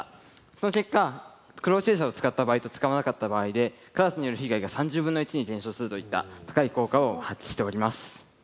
その結果ＣｒｏｗＣｈａｓｅｒを使った場合と使わなかった場合でカラスによる被害が３０分の１に減少するといった高い効果を発揮しております。